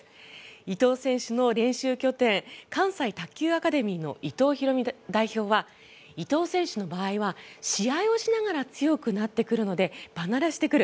伊藤選手の練習拠点関西卓球アカデミーの伊藤弘美代表は伊藤選手の場合は試合をしながら強くなってくるので場慣れしてくる。